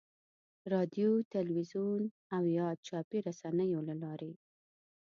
رادیو، تلویزیون او یا چاپي رسنیو له لارې.